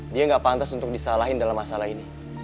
dia nggak pantas untuk disalahin dalam masalah ini